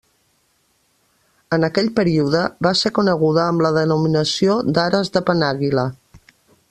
En aquell període, va ser coneguda amb la denominació d'Ares de Penàguila.